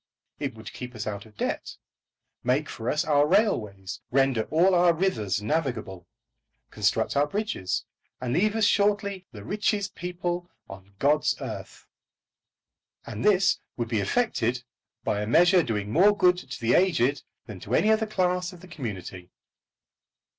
It would keep us out of debt, make for us our railways, render all our rivers navigable, construct our bridges, and leave us shortly the richest people on God's earth! And this would be effected by a measure doing more good to the aged than to any other class of the community!